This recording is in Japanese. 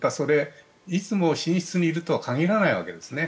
いつも寝室にいるとは限らないわけですね。